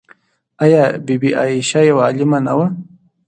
آیا بی بي عایشه یوه عالمه نه وه؟